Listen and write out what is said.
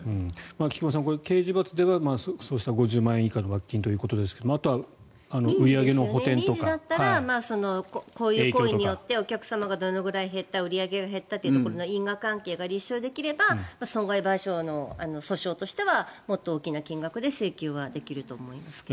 菊間さん、刑事罰ではそうした５０万円以下の罰金ということですが民事だったらこういう行為によってお客様がどのぐらい減った売り上げが減ったというところの因果関係が立証できれば損害賠償の訴訟としてはもっと大きな金額で請求はできると思いますけど。